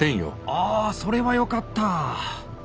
ああそれはよかった！